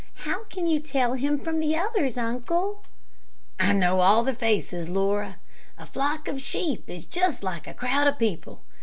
"How can you tell him from the others, uncle?" "I know all their faces, Laura. A flock of sheep is just like a crowd of people.